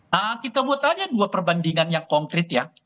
nah kita buat aja dua perbandingan yang konkret ya